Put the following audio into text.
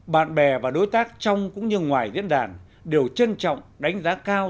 bạn bè và đối tác trong cũng như ngoài diễn đàn đều trân trọng đánh giá cao